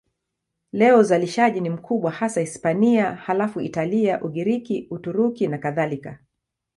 Leo uzalishaji ni mkubwa hasa Hispania, halafu Italia, Ugiriki, Uturuki nakadhalika.